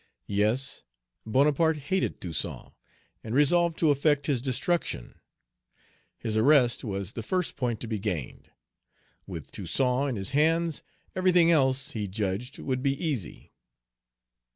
Yes, Bonaparte hated Toussaint, Page 227 and resolved to effect his destruction. His arrest was the first point to be gained. With Toussaint in his hands, everything else he judged would be easy.